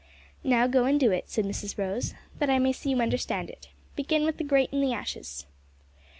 "Now, go and do it," said Mrs Rose, "that I may see you understand it. Begin with the grate an' the ashes."